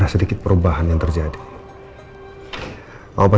silahkan mbak mbak